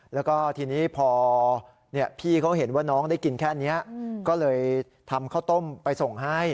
แล้วก็ทีนี้พอพี่เขาเห็นว่าน้องได้กินแค่นี้ก็เลยทำข้าวต้มไปส่งให้